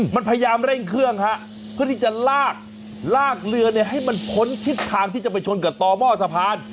มันพยายามเร่งเครื่องฮะเพื่อที่จะลากลากเรือเนี่ยให้มันพ้นทิศทางที่จะไปชนกับต่อหม้อสะพาน